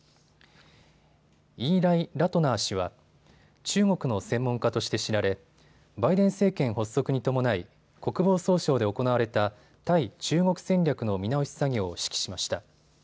イーライ・ラトナー氏は中国の専門家として知られバイデン政権発足に伴い国防総省で行われた対中国戦略の見直し作業を指揮しました。